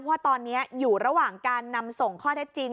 ว่าตอนนี้อยู่ระหว่างการนำส่งข้อเท็จจริง